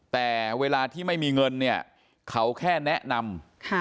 แต่เวลาที่ไม่มีเงินเนี่ยเขาแค่แนะนำ